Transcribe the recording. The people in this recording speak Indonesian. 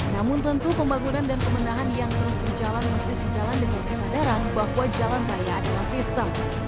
namun tentu pembangunan dan pemenahan yang terus berjalan mesti sejalan dengan kesadaran bahwa jalan raya adalah sistem